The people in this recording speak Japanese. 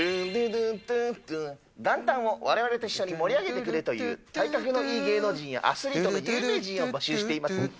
元旦をわれわれと一緒に盛り上げてくれるという体格のいい芸能人やアスリートや有名人を募集しています。